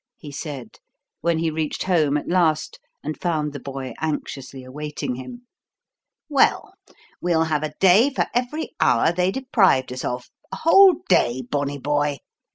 he said, when he reached home at last and found the boy anxiously awaiting him. "Well, we'll have a day for every hour they deprived us of, a whole day, bonny boy.